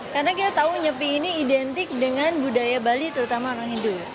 karena kita tahu nyepi ini identik dengan budaya bali terutama orang hindu